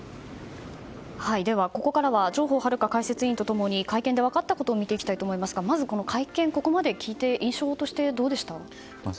ここからは上法玄解説委員と共に会見で分かったことを見ていきたいと思いますがまず会見をここまで聞いて印象はどうですか。